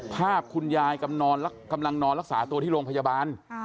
ภาพคุณยายกำลังนอนรักษาตัวที่โรงพยาบาล